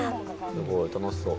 すごい楽しそう。